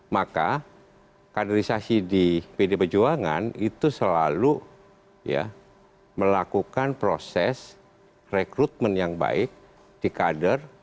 maka kaderisasi di pd perjuangan itu selalu melakukan proses rekrutmen yang baik di kader